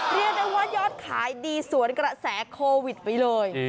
เรียกได้ว่ายอดขายดีสวนกระแสโควิดไปเลย